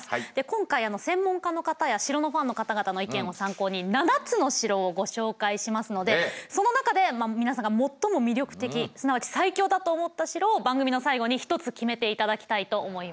今回専門家の方や城のファンの方々の意見を参考に７つの城をご紹介しますのでその中で皆さんが最も魅力的すなわち「最強」だと思った城を番組の最後に１つ決めて頂きたいと思います。